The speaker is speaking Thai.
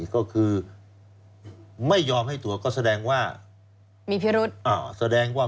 ก็คือไม่ยอมให้ตรวจก็แสดงว่า